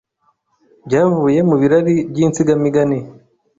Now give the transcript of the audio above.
byavuye mu birari by’insigamigani